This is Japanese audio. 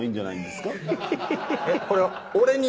これは。